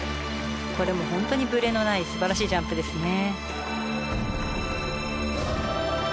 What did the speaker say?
これも本当にブレのない素晴らしいジャンプですね。